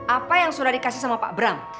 apa yang sudah dikasih sama pak bram